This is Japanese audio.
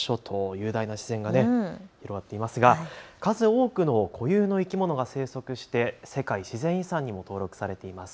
雄大な自然が広がっていますが数多くの固有の生き物が生息して世界自然遺産にも登録されています。